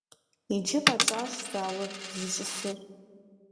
Иджы къэтщӀащ зауэр зищӀысыр.